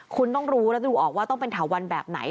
คุณต้องรู้และดูออกว่าต้องเป็นถาวันแบบไหน